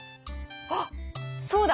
あっそうだ！